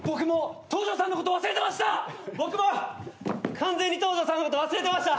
僕も完全に東條さんのこと忘れてました！